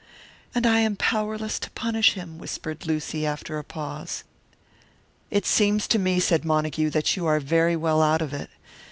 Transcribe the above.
"And I am powerless to punish him!" whispered Lucy, after a pause. "It seems to me," said Montague, "that you are very well out of it.